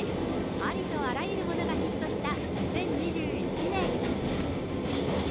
ありとあらゆるものがヒットした２０２１年。